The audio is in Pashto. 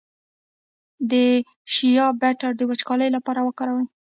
د شیا بټر د وچوالي لپاره وکاروئ